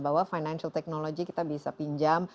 bahwa financial technology kita bisa pinjam